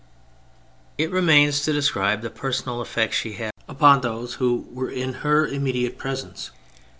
It remains to describe the personal effect she had upon those who were in her im mediate presence.